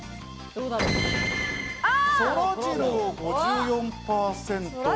そらジロー、５４％。